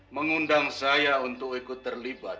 mengundang saya untuk ikut terlibat